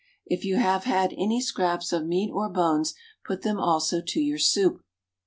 If you have had any scraps of meat or bones, put them also to your soup.